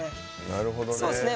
なるほどね。